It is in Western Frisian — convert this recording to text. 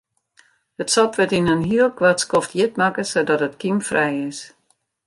It sop wurdt yn in heel koart skoft hjit makke sadat it kymfrij is.